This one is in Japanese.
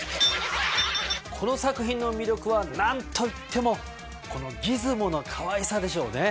この作品の魅力は何といってもこのギズモのかわいさでしょうね。